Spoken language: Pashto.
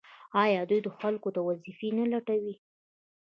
آیا دوی خلکو ته وظیفې نه لټوي؟